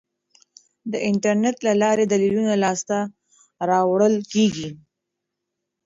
د انټرنیټ له لارې دلیلونه لاسته راوړل کیږي.